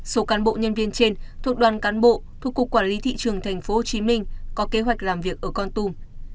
số cán bộ nhân viên trên thuộc đoàn cán bộ thuộc cục quản lý thị trường tp hcm có kế hoạch làm việc ở con tum